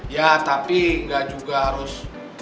ya tapi nggak juga harus